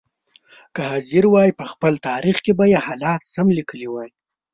که حاضر وای په خپل تاریخ کې به یې حالات سم لیکلي وای.